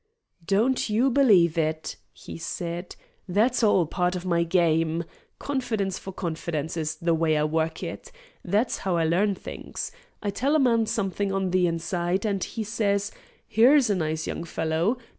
"Don't you believe it," he said. "That's all part of my game. 'Confidence for confidence' is the way I work it. That's how I learn things. I tell a man something on the inside, and he says: 'Here's a nice young fellow.